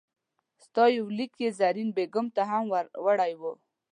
ستا یو لیک یې زین بېګم ته هم راوړی وو.